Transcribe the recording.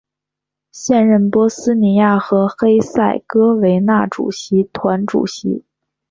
现任波斯尼亚和黑塞哥维那主席团主席。